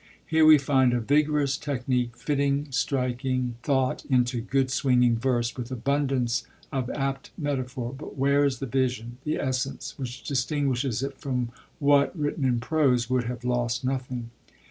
Here we find a vigorous technique fitting striking thought into good swinging verse, with abundance of apt metaphor; but where is the vision, the essence, which distinguishes it from what, written in prose, would have lost nothing?